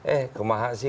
eh kemahas sih